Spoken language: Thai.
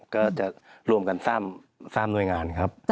ก็จะรวมกัน๓หน่วยงานครับ